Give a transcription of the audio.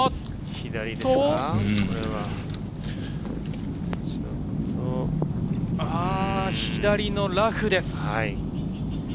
左のラフです。